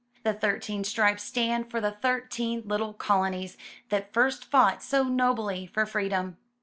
The thirteen stripes stand for the thirteen little colonies that first fought so nobly for freedom.